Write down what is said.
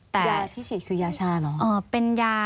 ที่ฉีดคือยาชาเหรอคะเป็นยา